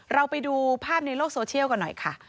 เราไปดูภาพในโลกโซเชียลกันหน่อยค่ะ